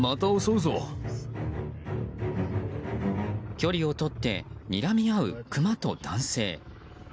距離をとってにらみ合う、クマと男性。